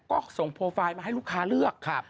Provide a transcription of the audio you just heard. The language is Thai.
ก็ส่งโปรไฟล์มาให้ลูกค้าเลือก